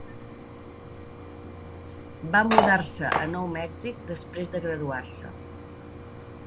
Va mudar-se a Nou Mèxic després de graduar-se.